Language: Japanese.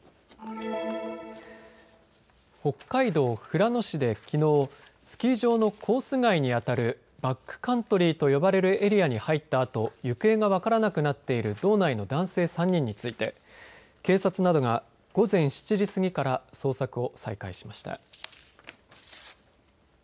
北海道富良野市できのうスキー場のコース外にあたるバックカントリーと呼ばれるエリアに入ったあと行方が分からなくなっている道内の男性３人について警察などが午前７時過ぎから捜索を再開しました。